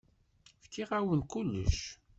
Fkiɣ-awen kullec.